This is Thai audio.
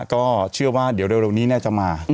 ก็เชื่อว่าเดี๋ยวเร็วนี้จะมา